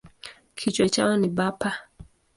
Kichwa chao ni bapa.